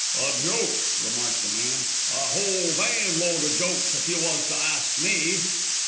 "A joke," remarked the man; "a whole van load of jokes, if you was to ask me."